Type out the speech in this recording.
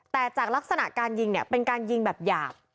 แต่จากลักษณะการยิงเนี่ยเป็นการยิงแบบหยาบ